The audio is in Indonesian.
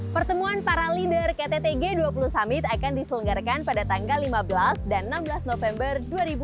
pertemuan para leader ktt g dua puluh summit akan diselenggarakan pada tanggal lima belas dan enam belas november dua ribu dua puluh